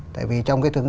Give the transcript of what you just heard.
tại vì trong cái thức